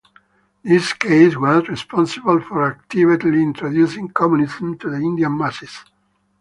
This case was responsible for actively introducing communism to the Indian masses.